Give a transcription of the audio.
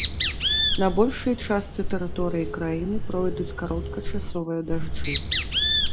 На большай частцы тэрыторыі краіны пройдуць кароткачасовыя дажджы.